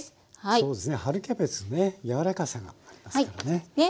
そうですね春キャベツね柔らかさがありますからね。